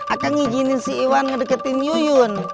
akan ngijinin si iwan ngedeketin yuyun